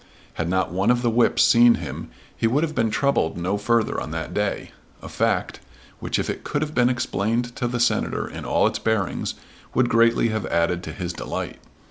Had not one of the whips seen him he would have been troubled no further on that day, a fact, which if it could have been explained to the Senator in all its bearings, would greatly have added to his delight.